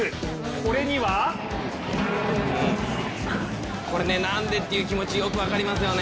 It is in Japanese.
これにはなんで？っていう気持ちよく分かりますね。